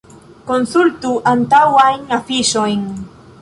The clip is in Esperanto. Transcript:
Konsultu antaŭajn afiŝojn.